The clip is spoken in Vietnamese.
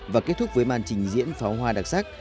và kết thúc với màn trình diễn pháo hoa đặc sắc